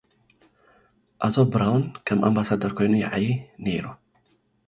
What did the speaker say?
ኣቶ ብራውን ከም ኣምባሳደር ኮይኑ ይዓዪ ነይሩ።